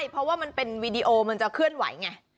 เพราะว่ามันเป็นวีดีโอมันจะเคลื่อนไหวไง